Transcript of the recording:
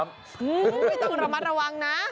ไม่ต้องระมัดระวังนะ